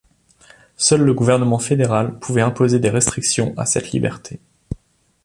Seul le gouvernement fédéral pouvait imposer des restrictions à cette liberté.